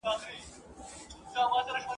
چېرته به د سوي میني زور وینو ..